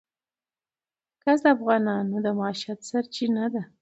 ګاز د افغانانو د معیشت سرچینه ده.